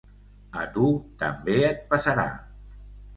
A tu, també et passarà!